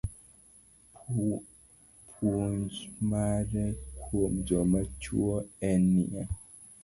Puonj mare kuom joma chuo en niya: